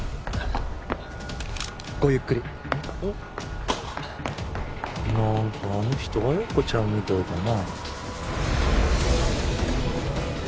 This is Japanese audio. ごゆっくり何かあの人彩子ちゃんみたいだな